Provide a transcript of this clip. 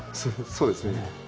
そうですね。